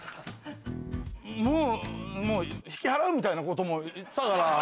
もうもう引き払うみたいなことも言ってたなぁ。